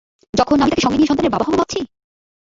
যখন আমি তাকে সঙ্গে নিয়ে সন্তানের বাবা হবো ভাবছি?